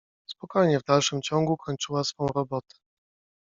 Spokojnie w dalszym ciągu kończyła swą robotę.